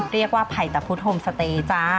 เรียกว่าพัยตะพุทธโฮมสเตย์จ้า